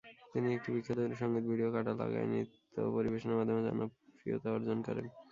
তিনি একটি বিখ্যাত সঙ্গীত ভিডিও "কাঁটা লাগা"য় নৃত্য পরিবেশনের মাধ্যমে জনপ্রিয়তা অর্জন করেন।